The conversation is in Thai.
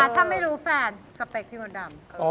ถ้าไม่รู้แฟนสเปคพี่มดดำ